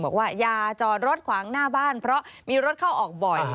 บอกว่าอย่าจอดรถขวางหน้าบ้านเพราะมีรถเข้าออกบ่อย